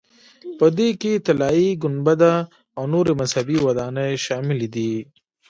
په دې کې طلایي ګنبده او نورې مذهبي ودانۍ شاملې دي.